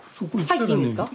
入っていいんですか？